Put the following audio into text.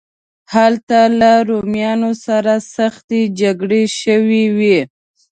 هلته له رومیانو سره سختې جګړې شوې وې.